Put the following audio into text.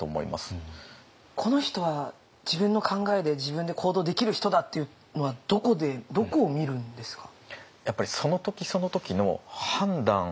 この人は自分の考えで自分で行動できる人だっていうのはどこでどこを見るんですか？